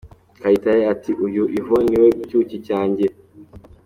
Kayitare ati "Uyu Yvonne ni we cyuki cyanjye".